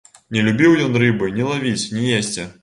Не любіў ён рыбы ні лавіць, ні есці.